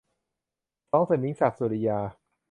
สองสมิง - ศักดิ์ สุริยา